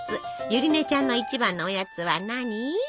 ゆりねちゃんの一番のおやつは何？